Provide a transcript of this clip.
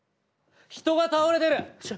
人が倒れてる！